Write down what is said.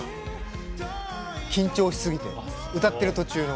緊張しすぎて歌ってる途中の。